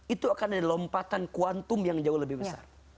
itu akan ada lompatan kuantum yang jauh lebih besar